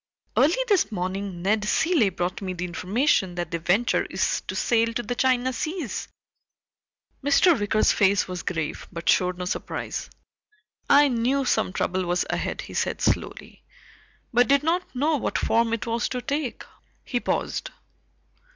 "Early this morning Ned Cilley brought me the information that the Venture is to sail to the China seas." Mr. Wicker's face was grave but showed no surprise. "I knew some trouble was ahead," he said slowly, "but did not know what form it was to take." He paused.